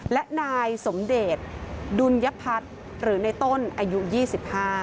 และนายสมเดชดุลยพัฒน์หรือในต้นอายุ๒๕